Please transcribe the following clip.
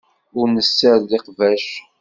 Ur nessared iqbac.